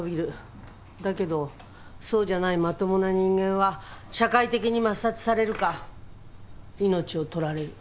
だけどそうじゃないまともな人間は社会的に抹殺されるか命を取られる。